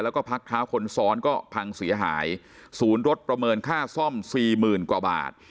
แล้วก็พักเท้าคนซ้อนก็พังเสียหายศูนย์รถประเมินค่าซ่อมสี่หมื่นกว่าบาท